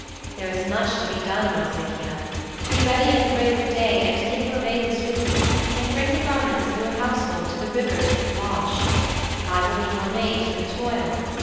There is much to be done, Nausicaa. Be ready at the break of day, and take your maidens with you, and bring the garments of your household to the river to be washed. I will be your mate in the toil.